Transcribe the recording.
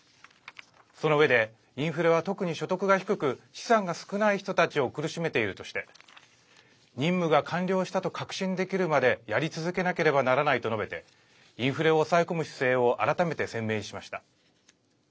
そのうえでインフレは特に所得が低く資産が少ない人たちを苦しめているとして任務が完了したと確信できるまでやり続けなければならないと述べてインフレを抑え込む姿勢を改めて鮮明にしました。